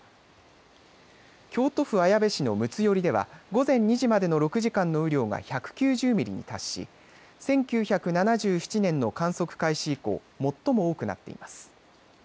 京都府綾部市の睦寄では午前２時までの６時間の雨量が１９０ミリに達し１９７７年の観測開始以降最も多くなっています。